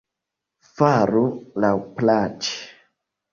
Faru laŭplaĉe!